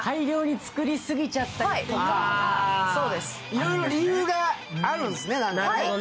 いろいろ理由があるんですね。